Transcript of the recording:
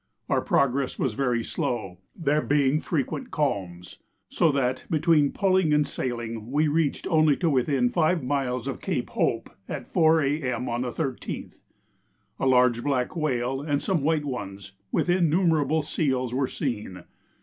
Our progress was very slow, there being frequent calms, so that, between pulling and sailing, we reached only to within five miles of Cape Hope at 4 A.M. of the 13th. A large black whale and some white ones, with innumerable seals, were seen.